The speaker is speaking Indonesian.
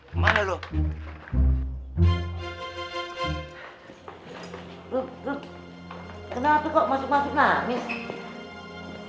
kenapa kok masuk masuk nangis